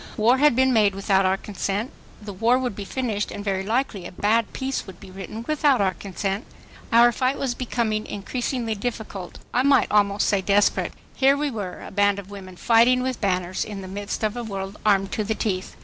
War had been made without our consent. The war would be finished and very likely a bad peace would be written without our consent. Our fight was becoming increasingly difficult—I might almost say desperate. Here we were, a band of women fighting with banners, in the midst of a world armed to the teeth.